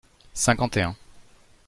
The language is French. Cinquante et un.